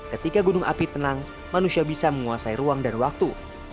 ketika gunung api tenang manusia bisa menguasai ruang dan waktu